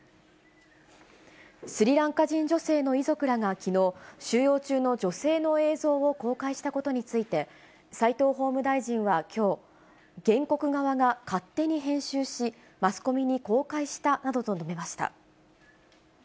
スリランカ人女性の遺族らがきのう、収容中の女性の映像を公開したことについて、斎藤法務大臣はきょう、原告側が勝手に編集し、マスコミに公開したなどと述べました。